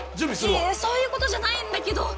いやいやそういうことじゃないんだけど。